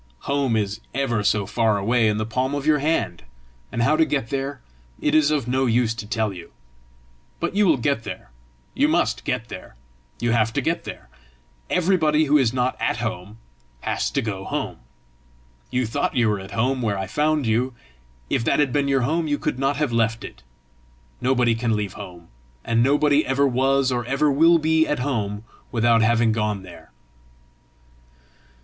Home is ever so far away in the palm of your hand, and how to get there it is of no use to tell you. But you will get there; you must get there; you have to get there. Everybody who is not at home, has to go home. You thought you were at home where I found you: if that had been your home, you could not have left it. Nobody can leave home. And nobody ever was or ever will be at home without having gone there."